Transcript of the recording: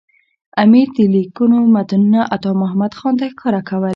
امیر د لیکونو متنونه عطامحمد خان ته ښکاره کول.